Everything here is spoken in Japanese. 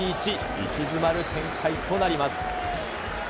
息詰まる展開となります。